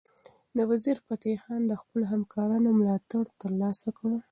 وزیرفتح خان د خپلو همکارانو ملاتړ ترلاسه کړ.